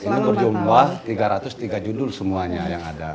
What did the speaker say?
ini berjumlah tiga ratus tiga judul semuanya yang ada